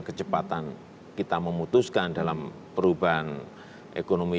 kecepatan kita memutuskan dalam perubahan ekonomi